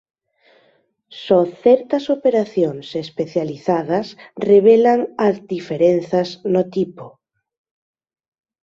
Só certas operacións especializadas revelan as diferenzas no tipo.